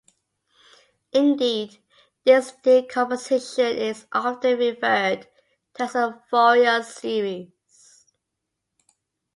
Indeed, this decomposition is often referred to as a Fourier series.